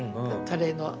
カレーの。